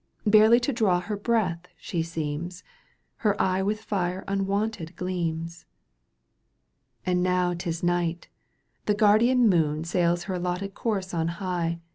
Barely to draw her breath she seems. Her eye with fire unwonted gleams. And now 'tis night, the guardian moon Sails her allotted course on high.